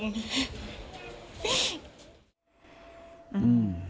เขาไม่ใช่คน